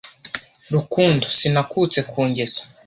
rukundo, sinakutse ku ngeso,